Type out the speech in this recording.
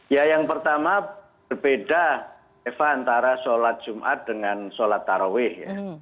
ya yang pertama berbeda eva antara sholat jumat dengan sholat taraweh ya